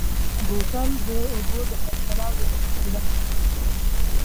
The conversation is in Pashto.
بوتل د اوبو د خرڅلاو یوه وسیله ده.